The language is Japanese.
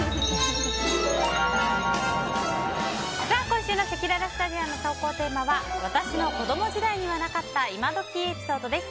今週のせきららスタジオの投稿テーマは私の子供時代にはなかった今どきエピソードです。